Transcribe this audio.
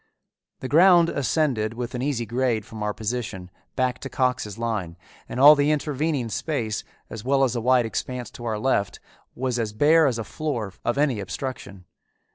The ground ascended with an easy grade from our position back to Cox's line, and all the intervening space, as well as a wide expanse to our left, was as bare as a floor of any obstruction.